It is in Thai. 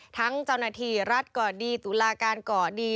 เจ้าหน้าที่รัฐก่อดีตุลาการก่อดี